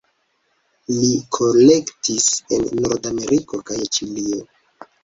Li kolektis en Nordameriko kaj Ĉilio.